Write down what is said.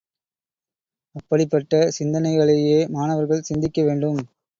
அப்படிப்பட்ட சிந்தனைகளையே மாணவர்கள் சிந்திக்க வேண்டும்.